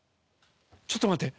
ちょっと待って。